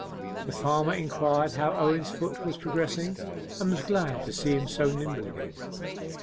The farmer inquired how Owen's foot was progressing, and was glad to see him so nimble again.